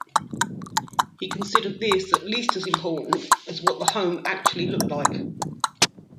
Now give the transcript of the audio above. He considered this at least as important as what the home actually looked like.